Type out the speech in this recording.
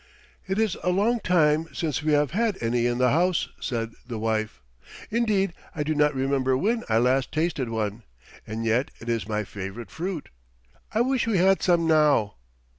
"It is a long time since we have had any in the house," said the wife. "Indeed, I do not remember when I last tasted one, and yet it is my favorite fruit. I wish we had some now."